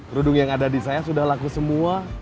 kerudung yang ada di saya sudah laku semua